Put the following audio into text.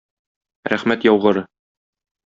Рәхмәт яугыры!